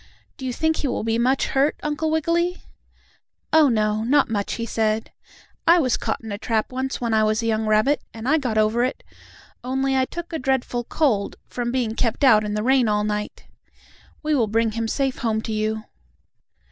"Do you think he will be much hurt, Uncle Wiggily?" "Oh, no; not much," he said. "I was caught in a trap once when I was a young rabbit, and I got over it. Only I took a dreadful cold, from being kept out in the rain all night. We will bring him safe home to you."